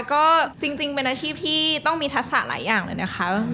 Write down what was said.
ก็จริงเป็นอาชีพที่ต้องมีทักษะหลายอย่างเลยนะคะ